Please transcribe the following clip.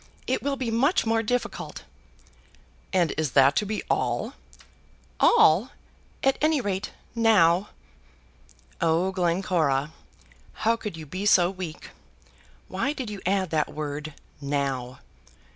It will be much more difficult." "And is that to be all?" "All; at any rate, now." Oh, Glencora! how could you be so weak? Why did you add that word, "now"?